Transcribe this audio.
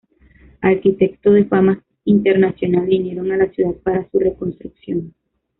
Arquitectos de fama internacional vinieron a la ciudad para su reconstrucción.